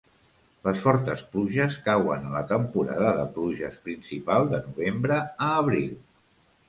Les fortes pluges cauen en la temporada de pluges principal, de novembre a abril.